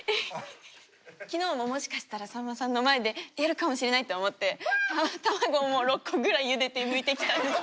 昨日ももしかしたらさんまさんの前でやるかもしれないって思って卵６個ぐらいゆでてむいてきたんです。